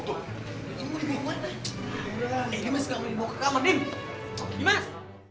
dimas gak boleh dibawa ke kamar dimas